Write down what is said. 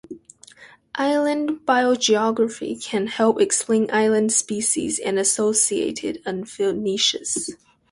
Island biogeography can help explain island species and associated unfilled niches.